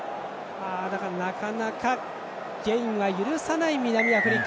だが、なかなかゲインは許さない南アフリカ。